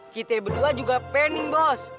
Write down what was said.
saya berdua juga pening bos